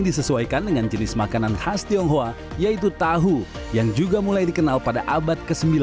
disesuaikan dengan jenis makanan khas tionghoa yaitu tahu yang juga mulai dikenal pada abad ke sembilan